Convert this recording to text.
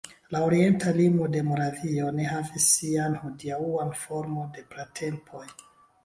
La orienta limo de Moravio ne havis sian hodiaŭan formon de pratempoj.